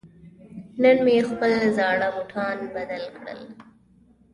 نن مې خپل زاړه بوټان بدل کړل.